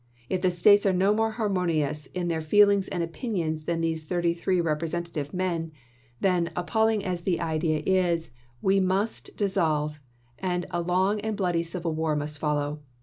If the States are no more harmonious in their feelings and opinions than these thirty three represent ative men, then, appalling as the idea is, we must dis solve, and a long and bloody civil war must follow.